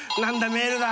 メールだ。